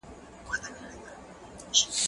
کېدای سي سیر اوږد وي،